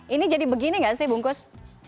ini jadi begini nggak sih bungkus